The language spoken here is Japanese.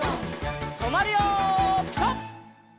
とまるよピタ！